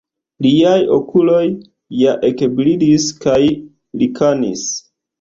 Liaj okuloj ja ekbrilis kaj rikanis.